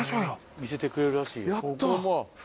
見せてくれるらしい。